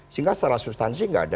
sehingga setelah substansi tidak ada